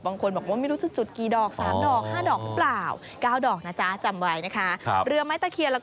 บางคนบอกว่าไม่รู้จะจุดกี่ดอก๓ดอก๕ดอกหรือเปล่า